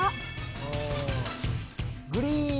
グリーン！